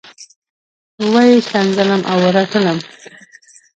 وه یې ښکنځلم او رټلم.